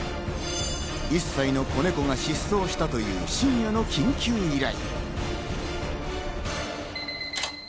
１歳の子ネコが失踪したという深夜の緊急依頼。